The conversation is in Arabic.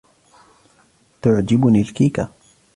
تعجبني الكيكة.